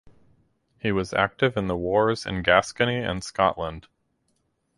He was active in the wars in Gascony and Scotland.